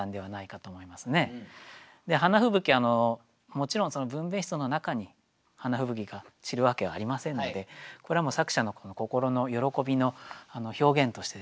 もちろん分娩室の中に花吹雪が散るわけはありませんのでこれは作者の心の喜びの表現としてですね